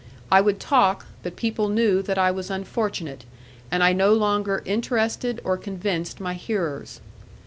I would talk, but people knew that I was unfortunate, and I no longer interested or convinced my hearers.